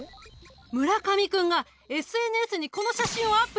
村上君がＳＮＳにこの写真をアップしたんだ！